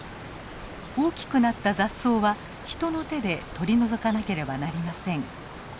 大きくなった雑草は人の手で取り除かなければなりません。